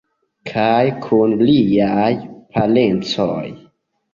Kaj kun liaj parencoj.